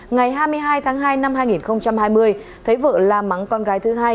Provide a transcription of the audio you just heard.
ngày hai mươi hai tháng hai năm hai nghìn hai mươi thấy vợ la mắng con gái thứ hai